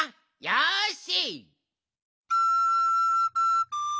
よし！